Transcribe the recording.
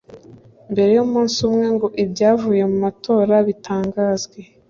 Mbere y’umunsi umwe ngo ibyavuye mu matora bitangazwe